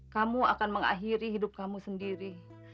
kamu akan mengakhiri hidup kamu sendiri